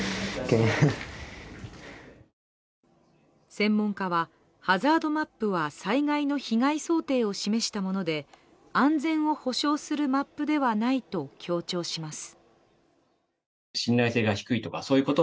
専門家は、ハザードマップは災害の被害想定を示したもので安全を保障するマップではないと強調します。